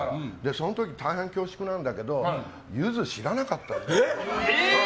その時、大変恐縮なんだけどゆず知らなかったの。